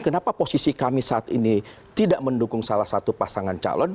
kenapa posisi kami saat ini tidak mendukung salah satu pasangan calon